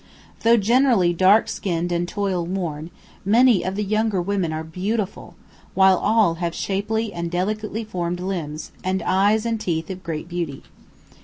Though generally dark skinned and toil worn, many of the younger women are beautiful, while all have shapely and delicately formed limbs, and eyes and teeth of great beauty.